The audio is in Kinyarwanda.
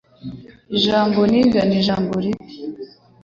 Ijambo "nigger" ni ijambo ribi.